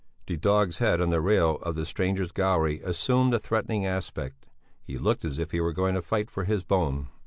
The dog's head on the rail of the strangers' gallery assumed a threatening aspect; he looked as if he were going to fight for his bone.